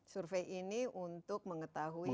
survei ini untuk mengetahui